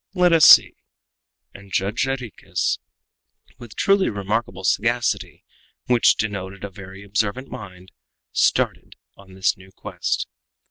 Let us see," and Judge Jarriquez, with truly remarkable sagacity, which denoted a very observant mind, started on this new quest.